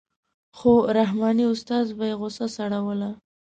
خو رحماني استاد به یې غوسه سړوله.